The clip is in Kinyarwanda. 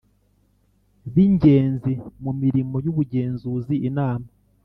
b ingenzi mu mirimo y ubugenzuzi Inama